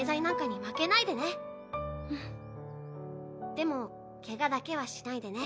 でもケガだけはしないでね。